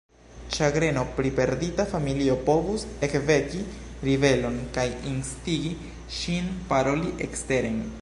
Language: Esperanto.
Ĉagreno pri perdita familio povus ekveki ribelon kaj instigi ŝin paroli eksteren.